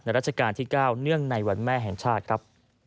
ราชการที่๙เนื่องในวันแม่แห่งชาติครับ